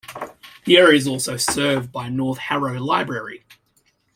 The area is also served by North Harrow Library.